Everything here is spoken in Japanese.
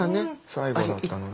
最期だったのね。